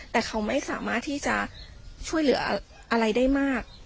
แต่เขาไม่สามารถที่จะช่วยเหลืออะไรได้มาก